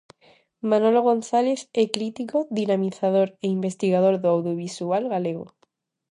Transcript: Manolo González é crítico, dinamizador e investigador do audiovisual galego.